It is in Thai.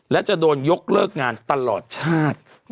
และจะโดนยกเลิกงานตลอดชาติ